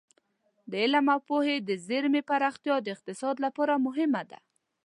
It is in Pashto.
د علم او پوهې د زېرمې پراختیا د اقتصاد لپاره مهمه ده.